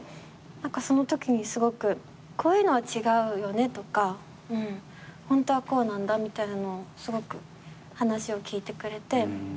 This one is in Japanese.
そのときにすごく「こういうのは違うよね？」とかホントはこうなんだみたいなのをすごく話を聞いてくれて。